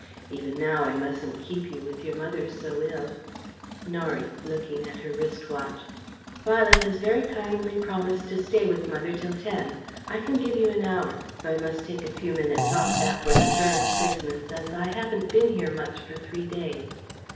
Even now I mustn't keep you, with your mother so ill..." Norie (looking at her wrist watch): "Violet has very kindly promised to stay with mother till ten.... I can give you an hour, though I must take a few minutes off that for the firm's business as I haven't been here much for three days..."